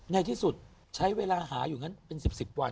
ในที่สุดใช้เวลาหาอยู่งั้นเป็น๑๐วัน